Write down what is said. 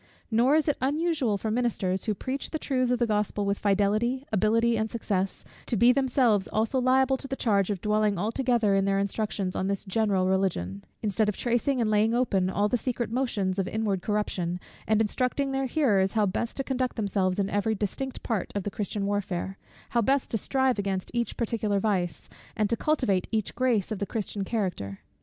Nor is it unusual for ministers, who preach the truths of the Gospel with fidelity, ability, and success, to be themselves also liable to the charge of dwelling altogether in their instructions on this general Religion: instead of tracing and laying open all the secret motions of inward corruption, and instructing their hearers how best to conduct themselves in every distinct part of the Christian warfare; how best to strive against each particular vice, and to cultivate each grace of the Christian character.